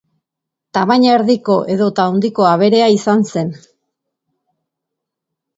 Tamaina erdiko edota handiko aberea izan zen.